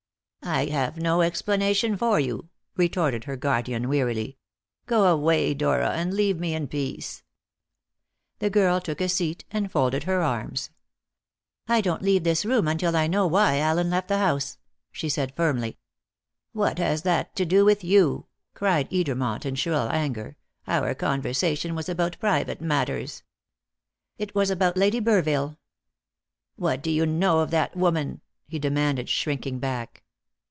"I have no explanation for you," retorted her guardian wearily; "go away, Dora, and leave me in peace." The girl took a seat, and folded her arms. "I don't leave this room until I know why Allen left the house," she said firmly. "What has that to do with you?" cried Edermont in shrill anger; "our conversation was about private matters." "It was about Lady Burville." "What do you know of that woman?" he demanded, shrinking back.